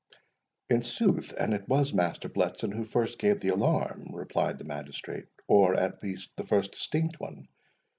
"In sooth, and it was Master Bletson who gave the first alarm," replied the magistrate; "or, at least, the first distinct one.